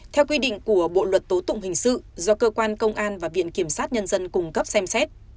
theo quy định của bộ luật tố tụng hình sự do cơ quan công an và viện kiểm sát nhân dân cung cấp xem xét